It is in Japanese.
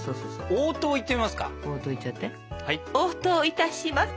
応答いたします。